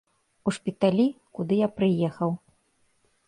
У шпіталі, куды я прыехаў.